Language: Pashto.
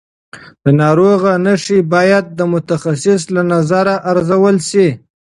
د ناروغ نښې باید د متخصص له نظره ارزول شي.